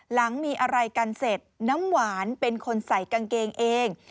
หลังมีอะไรกันเสร็จน้ำหวานเป็นคนใส่กางเกงเอง